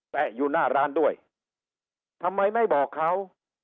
อยู่หน้าร้านด้วยทำไมไม่บอกเขา